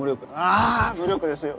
あ無力ですよ！